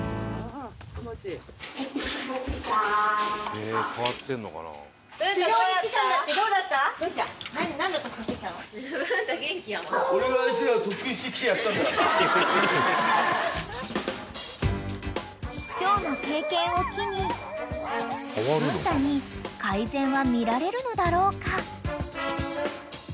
［文太に改善は見られるのだろうか］